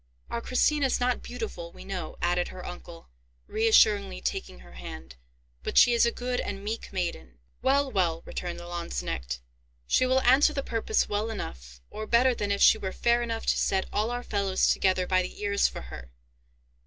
"Our Christina is not beautiful, we know," added her uncle, reassuringly taking her hand; "but she is a good and meek maiden." "Well, well," returned the Lanzknecht, "she will answer the purpose well enough, or better than if she were fair enough to set all our fellows together by the ears for her.